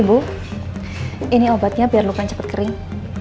ibu ini obatnya biar luka cepet kering